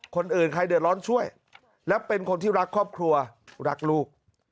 คนอื่นใครเดือดร้อนช่วยและเป็นคนที่รักครอบครัวรักลูก